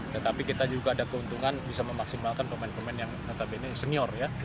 tetapi kita juga ada keuntungan bisa memaksimalkan pemain pemain yang notabene senior ya